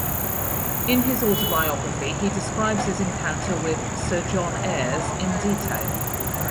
In his autobiography he describes his encounter with "Sir John Ayres" in detail.